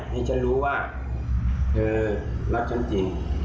ให้ฉันรู้ว่าเธอรักฉันจริง